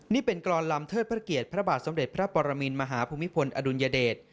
นี่เป็นกรอนลำเทิดพระเกียรติพระบาทสมเด็จพระปรมินมหาภูมิพลอดุลยเดช